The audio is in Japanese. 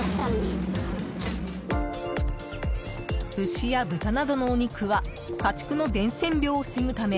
牛や豚などのお肉は家畜の伝染病を防ぐため